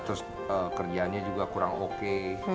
terus kerjaannya juga kurang oke